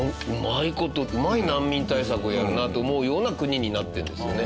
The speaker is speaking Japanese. うまい難民対策をやるなと思うような国になってるんですよね。